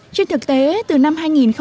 trên thực tế từ năm hai nghìn một mươi tám